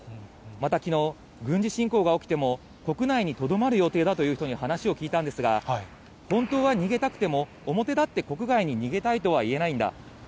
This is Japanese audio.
またきのう、軍事侵攻が起きても、国内にとどまる予定だという人に話を聞いたんですが、本当は逃げたくても、表立って国外に逃げたいとは言えないんだ。